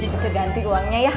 cukur ganti uangnya ya